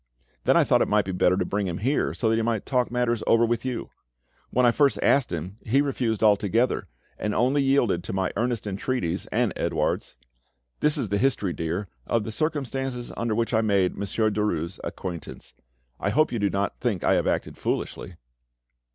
Then I thought it might be better to bring him here, so that he might talk matters over with you. When I first asked him, he refused altogether, and only yielded to my earnest entreaties and Edouard's. This is the history, dear, of the circumstances under which I made Monsieur Derues' acquaintance. I hope you do not think I have acted foolishly?"